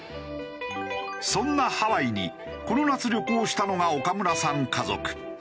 そんなハワイにこの夏旅行したのが岡村さん家族。